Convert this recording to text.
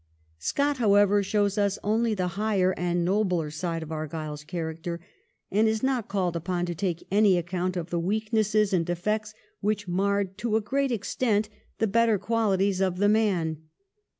Scott, however, shows us only the higher and nobler side of Argyle's character, and is not called upon to take any account of the weaknesses and defects which marred to a great extent the better qualities of the man.